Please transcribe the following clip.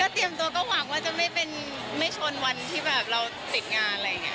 เตรียมตัวก็หวังว่าจะไม่ชนวันที่แบบเราติดงานอะไรอย่างนี้